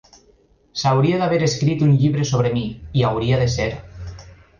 S'hauria d'haver escrit un llibre sobre mi, hi hauria de ser.